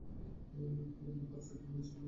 তুমি একদম পারফেক্ট আমাদের জন্য।